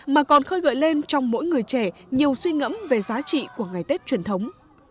mà còn khơi gợi lên trong mỗi người trẻ nhiều suy ngẫm về giá trị của ngày tết truyền thống